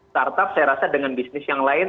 startup saya rasa dengan bisnis yang lain